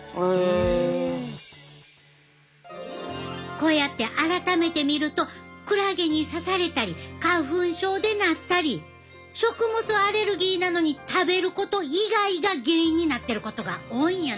こうやって改めて見るとクラゲに刺されたり花粉症でなったり食物アレルギーなのに食べること以外が原因になってることが多いんやな。